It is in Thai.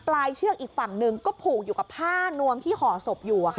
เชือกอีกฝั่งหนึ่งก็ผูกอยู่กับผ้านวมที่ห่อศพอยู่